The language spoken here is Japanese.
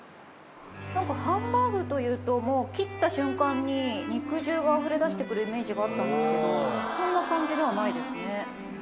なんかハンバーグというともう切った瞬間に肉汁があふれ出してくるイメージがあったんですけどそんな感じではないですね。